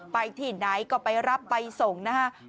ไปที่ไหนก็ไปรับใบส่งนะครับ